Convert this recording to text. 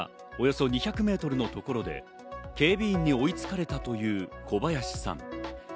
お店からおよそ２００メートルのところで警備に追いつかれたという小林さん。